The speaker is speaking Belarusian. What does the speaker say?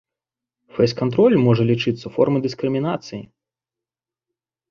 Фэйс-кантроль можа лічыцца формай дыскрымінацыі.